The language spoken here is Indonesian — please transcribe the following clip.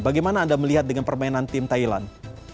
bagaimana anda melihat dengan permainan tim thailand